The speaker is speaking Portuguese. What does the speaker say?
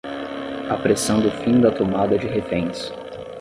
Apressando o fim da tomada de reféns